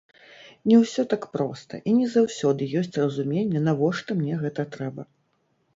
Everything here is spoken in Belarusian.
Не ўсё так проста, і не заўсёды ёсць разуменне, навошта мне гэта трэба.